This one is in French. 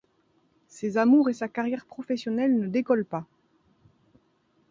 Ses amours et sa carrière professionnelle ne décollent pas.